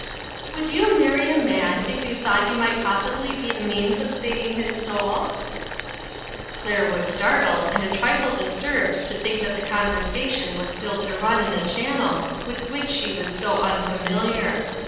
" Would you marry a man, if you thought you might possibly be the means of saving his soul?" Claire was startled and a trifle disturbed to think that the conversation was still to run in a channel with which she was so unfamiliar.